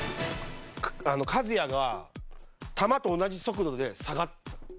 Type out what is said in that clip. カズヤが球と同じ速度で下がった。